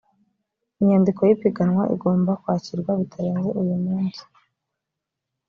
inyandiko y’ipiganwa igomba kwakirwa bitarenze uyu munsi